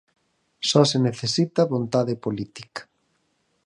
Só se necesita vontade política.